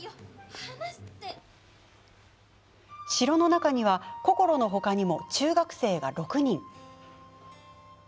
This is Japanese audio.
城の中にはこころの他にも中学生が６人。